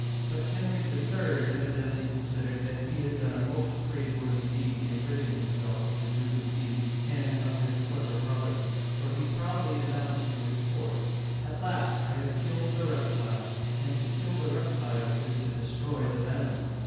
But Henry III. evidently considered that he had done a most praiseworthy deed in ridding himself of the Duke of Guise and of his clever brother ; for he proudly announced to his court: "At last I have killed the reptile, and to kill the reptile is to destroy the venom